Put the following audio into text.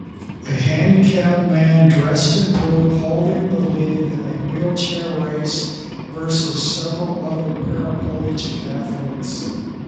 A handicapped man dressed in blue holding the lead in a wheelchair race versus several other paraplegic athletes